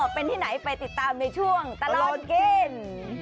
เป็นที่ไหนไปติดตามในช่วงตลอดกิน